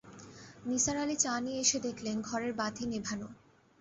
নিসার আলি চা নিয়ে এসে দেখলেন ঘরের বাতি নেভান।